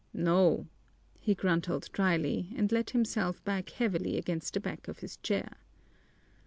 "No!" he grunted dryly, and let himself back heavily against the back of his chair.